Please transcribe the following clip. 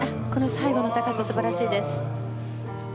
最後の高さも素晴らしかったです。